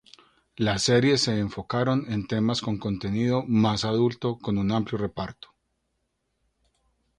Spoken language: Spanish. Las series se enfocaron en temas con contenido más adulto con un amplio reparto.